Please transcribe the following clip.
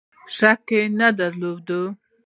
شک نه درلود.